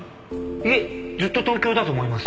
いえずっと東京だと思います。